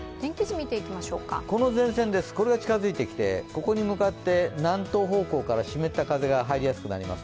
この前線が近づいてきて、ここに向かって南東方向から湿った風が入りやすくなります。